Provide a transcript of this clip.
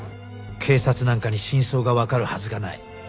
警察なんかに真相がわかるはずがない